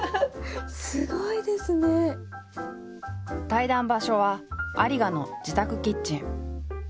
対談場所は有賀の自宅キッチン。